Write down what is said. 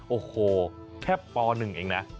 โอ้โหแค่ป๑เองนะ